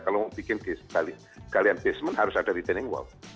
kalau bikin galian basement harus ada retaining wall